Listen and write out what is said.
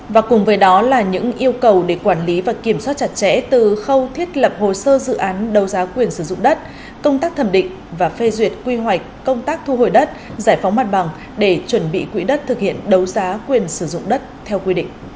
và cùng với đó là những yêu cầu để quản lý và kiểm soát chặt chẽ từ khâu thiết lập hồ sơ dự án đấu giá quyền sử dụng đất công tác thẩm định và phê duyệt quy hoạch công tác thu hồi đất giải phóng mặt bằng để chuẩn bị quỹ đất thực hiện đấu giá quyền sử dụng đất theo quy định